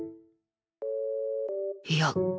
いや